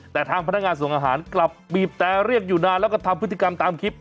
แต่ทางพนักงานส่งอาหารกลับบีบแต่เรียกอยู่นานแล้วก็ทำพฤติกรรมตามคลิป